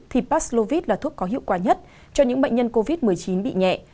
thì paslovit là thuốc có hiệu quả nhất cho những bệnh nhân covid một mươi chín bị nhẹ